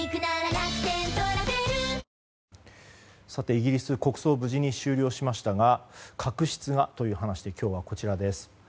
イギリス国葬無事に終了しましたが確執がという話で今日は、こちらです。